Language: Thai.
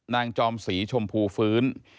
จอมศรีชมพูฟื้น